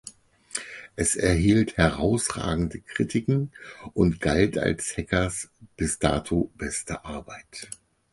Es erhielt herausragende Kritiken und galt als Heckers bis dato beste Arbeit.